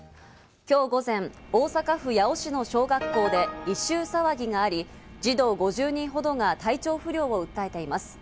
今日午前、大阪府八尾市の小学校で異臭騒ぎがあり、児童５０人ほどが体調不良を訴えています。